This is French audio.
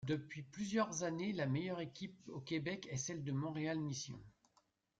Depuis plusieurs années, la meilleure équipe au Québec est celle du Montréal Mission.